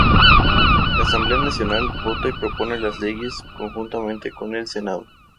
La Asamblea Nacional vota y propone las leyes, conjuntamente con el Senado.